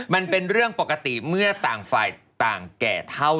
มันเป็นเรื่องปกติเมื่อต่างฝ่ายต่างแก่เท่า